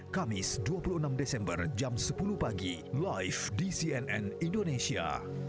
kamis dua puluh enam desember jam sepuluh pagi live di cnn indonesia